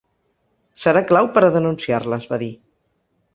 Serà clau per a denunciar-les, va dir.